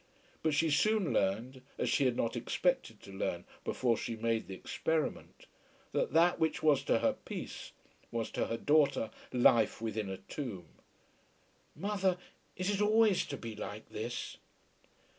But she soon learned, as she had not expected to learn before she made the experiment, that that which was to her peace, was to her daughter life within a tomb. "Mother, is it always to be like this?"